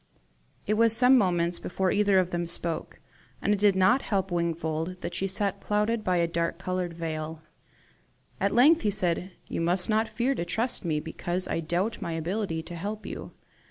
It was some moments before either of them spoke, and it did not help Wingfold that she sat clouded by a dark coloured veil. At length he said, "You must not fear to trust me because I doubt my ability to help you.